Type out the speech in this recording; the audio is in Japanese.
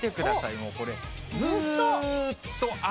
もうこれ、ずっと雨。